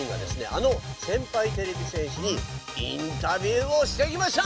あの先輩てれび戦士にインタビューをしてきました！